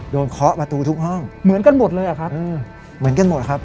เคาะประตูทุกห้องเหมือนกันหมดเลยอะครับเหมือนกันหมดครับ